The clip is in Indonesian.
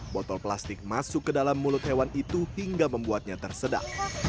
botol plastik masuk ke dalam mulut hewan itu hingga membuatnya tersedak